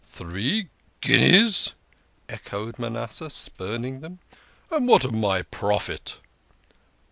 " Three guineas !" echoed Manasseh, spurning them. "And what of my profit?"